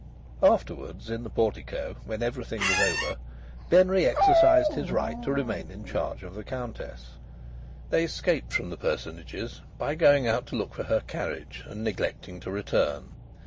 Afterwards in the portico, when everything was over, Denry exercised his right to remain in charge of the Countess. They escaped from the personages by going out to look for her carriage and neglecting to return.